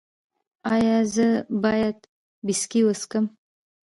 ایا زه باید ویسکي وڅښم؟